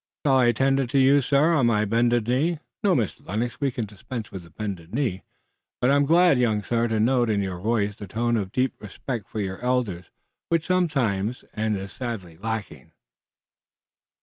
Shall I tender it to you, sir, on my bended knee!" "No, Mr. Lennox, we can dispense with the bended knee, but I am glad, young sir, to note in your voice the tone of deep respect for your elders which sometimes and sadly is lacking."